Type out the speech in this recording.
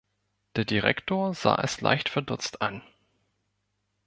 Der Direktor sah es leicht verdutzt an.